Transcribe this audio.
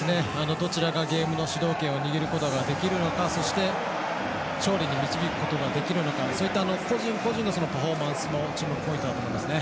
どちらがゲームの主導権を握ることができるのかそして勝利に導くことができるのかそういった個人個人のパフォーマンスも注目ポイントだと思います。